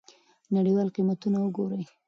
نړیوال قیمتونه وګورئ.